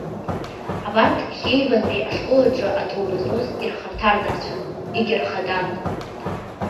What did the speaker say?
Абарҭ Хеивантәи ашкол аҿы аҭоуба зуз ирхаҭарнакцәан, егьырхадан.